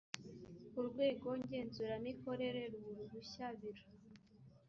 urwego ngenzuramikorere ruha uruhushya biro